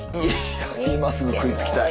今すぐ食いつきたい。